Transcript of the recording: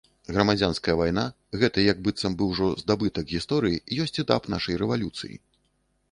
Грамадзянская вайна, гэты як быццам бы ўжо здабытак гісторыі, ёсць этап нашай рэвалюцыі.